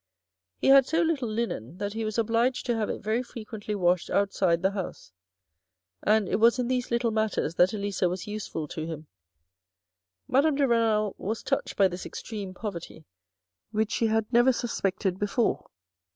He had so little linen that he was obliged to have it very frequently washed outside the house, and it was in these little matters that Elisa was useful to him. Madame de Renal was touched by this extreme poverty which she had never suspected before.